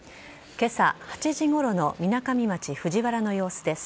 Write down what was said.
けさ８時ごろのみなかみ町藤原の様子です。